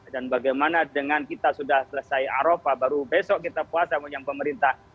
dan bagaimana dengan kita sudah selesai arafah baru besok kita puasa dengan pemerintah